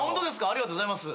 ありがとうございます。